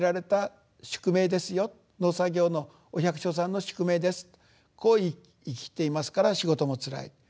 農作業のお百姓さんの宿命ですとこう言い切っていますから仕事もつらい。